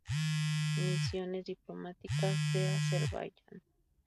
Misiones diplomáticas de Azerbaiyán